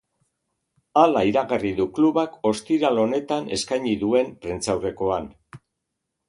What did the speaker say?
Hala iragarri du klubak, ostiral honetan eskaini duen prentsaurrekoan.